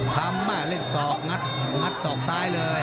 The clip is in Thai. ทำเล่นสอบงัดสอบซ้ายเลย